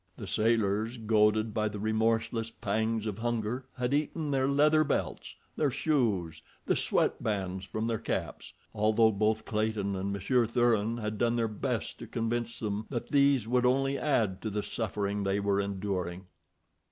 The sailors, goaded by the remorseless pangs of hunger, had eaten their leather belts, their shoes, the sweatbands from their caps, although both Clayton and Monsieur Thuran had done their best to convince them that these would only add to the suffering they were enduring.